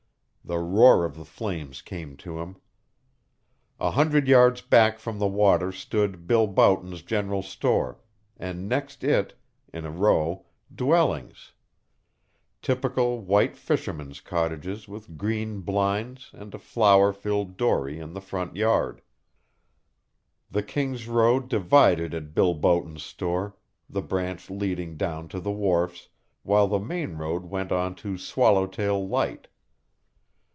The roar of the flames came to him. A hundred yards back from the water stood Bill Boughton's general store, and next it, in a row, dwellings; typical white fishermen's cottages with green blinds and a flower filled dory in the front yard. The King's Road divided at Bill Boughton's store, the branch leading down to the wharfs, while the main road went on to Swallowtail Light.